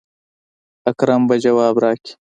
اکرم به جواب راکي.